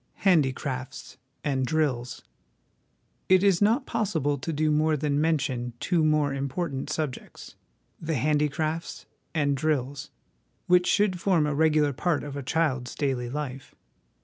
Handicrafts and Drills. It is not possible to do more than mention two more important subjects the Handicrafts and Drills which should form a regular part of a child's daily life.